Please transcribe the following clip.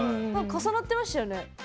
重なってましたよね。